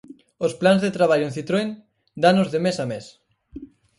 Os plans de traballo en Citroën danos de mes a mes.